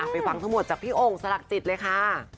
ฟังทั้งหมดจากพี่โอ่งสลักจิตเลยค่ะ